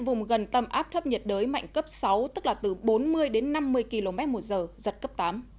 vùng gần tâm áp thấp nhiệt đới mạnh cấp sáu tức là từ bốn mươi đến năm mươi km một giờ giật cấp tám